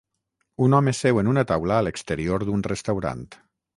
Un home seu en una taula a l'exterior d'un restaurant.